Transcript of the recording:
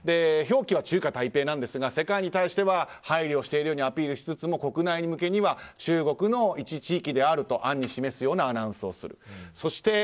表記は中華台北なんですが世界に対しては配慮しているようにしつつも国内向けには中国の一地域であると暗に示すようなアナウンスをする。